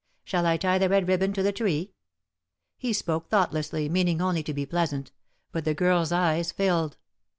Shall I tie the red ribbon to the tree?" He spoke thoughtlessly, meaning only to be pleasant, but the girl's eyes filled.